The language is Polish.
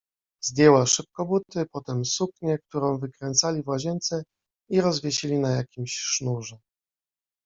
Zdjęła szybko buty, potem suknię, którą wykręcali w łazience i rozwiesili na jakimś sznurze.